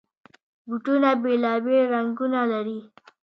بوټونه بېلابېل رنګونه لري.